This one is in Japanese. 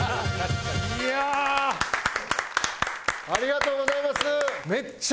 いやあ！ありがとうございます！